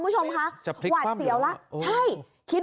ดีเหรอรถอยู่